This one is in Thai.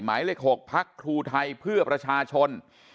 หมายเลข๖พักครูไทยเพื่อประชาชน